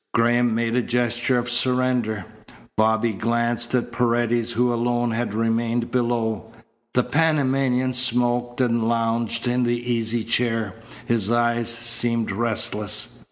Graham made a gesture of surrender. Bobby glanced at Paredes who alone had remained below. The Panamanian smoked and lounged in the easy chair. His eyes seemed restless.